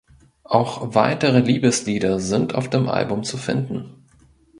Auch weitere Liebeslieder sind auf dem Album zu finden.